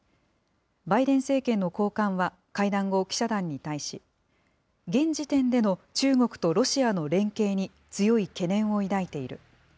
バイデン政権の高官は会談後、記者団に対し、現時点での中国とロシアの連携に強い懸念を抱いている。